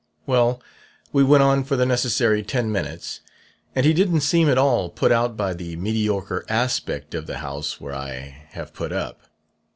Well, we went on for the necessary ten minutes, and he didn't seem at all put out by the mediocre aspect of the house where I have put up.